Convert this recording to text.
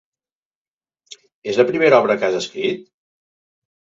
És la primera obra que has escrit?